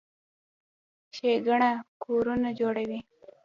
شګه کورونه جوړوي.